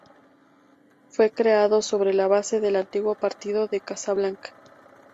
Fue creado sobre la base del antiguo Partido de Casablanca.